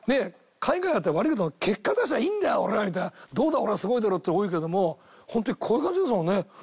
海外だったら悪いけど「結果出しゃあいいんだよ俺は」みたいな「どうだ？ほらすごいだろ」っていうの多いけどもホントにこういう感じですもんね。